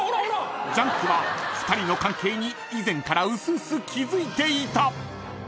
［『ジャンク』は２人の関係に以前からうすうす気付いていた］